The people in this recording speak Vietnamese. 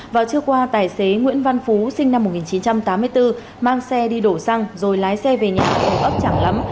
vào trưa qua tài xế nguyễn văn phú sinh năm một nghìn chín trăm tám mươi bốn mang xe đi đổ xăng rồi lái xe về nhà ở ấp trảng lắm